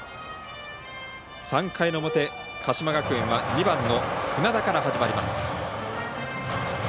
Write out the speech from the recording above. ３回の表、鹿島学園は２番の船田から始まります。